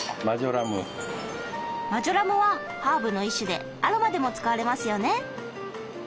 マジョラムはハーブの一種でアロマでも使われますよね。